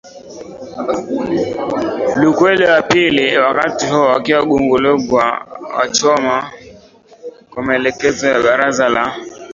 lukwele wa pili wakati huo akiwa Gungulugwa wa Choma kwa maelekezo ya Baraza la